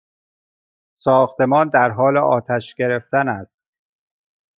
ساختمان در حال آتش گرفتن است!